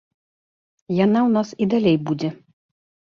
Яна ў нас і далей будзе.